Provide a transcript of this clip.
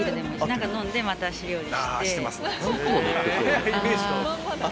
何か飲んでまた料理して。